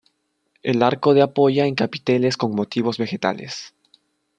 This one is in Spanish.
El arco de apoya en capiteles con motivos vegetales.